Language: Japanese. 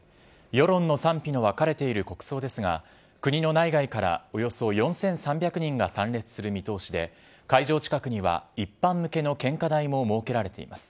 世論の賛否の分かれている国葬ですが、国の内外からおよそ４３００人が参列する見通しで、会場近くには一般向けの献花台も設けられています。